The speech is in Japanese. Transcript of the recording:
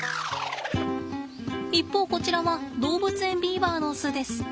一方こちらは動物園ビーバーの巣です。